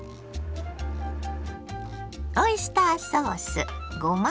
オイスターソースごま